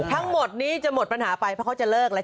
ทั้งหมดนี้จะหมดปัญหาไปเพราะเขาจะเลิกแล้ว